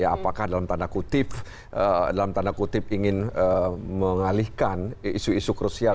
apakah dalam tanda kutip ingin mengalihkan isu isu krusial